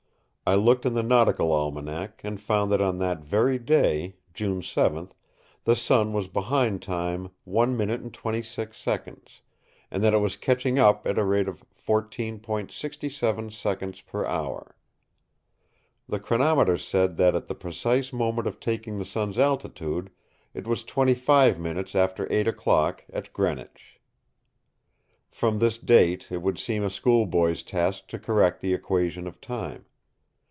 I looked in the Nautical Almanac and found that on that very day, June 7, the sun was behind time 1 minute and 26 seconds, and that it was catching up at a rate of 14.67 seconds per hour. The chronometer said that at the precise moment of taking the sun's altitude it was twenty five minutes after eight o'clock at Greenwich. From this date it would seem a schoolboy's task to correct the Equation of Time.